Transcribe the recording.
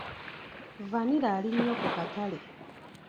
Vvanira ali nnyo ku katale.